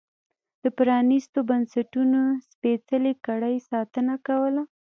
د پرانیستو بنسټونو سپېڅلې کړۍ ساتنه کوله.